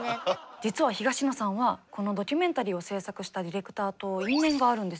実は東野さんはこのドキュメンタリーを制作したディレクターと因縁があるんです。